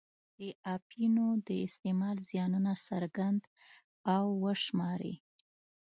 د اپینو د استعمال زیانونه څرګند او وشماري.